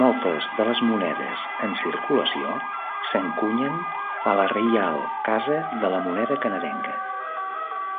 Moltes de les monedes en circulació s'encunyen a la Reial Casa de la Moneda Canadenca.